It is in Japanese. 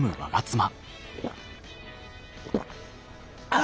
あ！